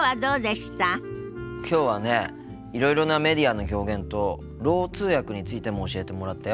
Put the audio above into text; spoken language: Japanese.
きょうはねいろいろなメディアの表現とろう通訳についても教えてもらったよ。